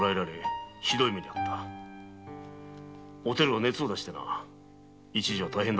おてるは熱を出してな一時は大変だったぞ。